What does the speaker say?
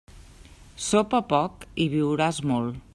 Sopa poc, i viuràs molt.